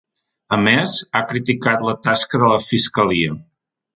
A més, ha criticat la tasca de la fiscalia.